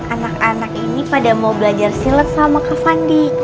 anak anak ini pada mau belajar silat sama kavandi